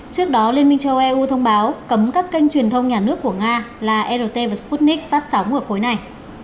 trước đó liên minh châu eu thông báo cấm các kênh truyền thông nhà nước của nga là rt và sputnik phát sóng ở khối này